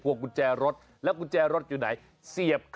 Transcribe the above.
ว่ากันต่อ